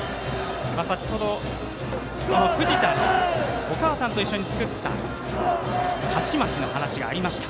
先ほど、藤田にお母さんと一緒に作ったはちまきの話がありました。